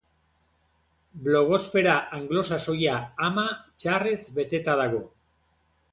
Blogosfera anglosaxoia ama txarrez beteta dago.